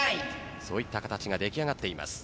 そういった形が出来上がっています。